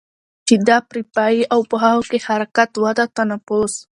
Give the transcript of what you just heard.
چې دا پرې پايي او په هغو کې حرکت، وده، تنفس